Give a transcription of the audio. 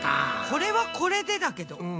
これはこれでだけど。